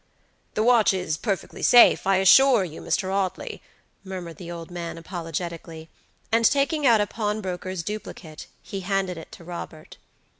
"The watch is perfectly safe, I assure you, Mr. Audley," murmured the old man, apologetically; and taking out a pawnbroker's duplicate, he handed it to Robert.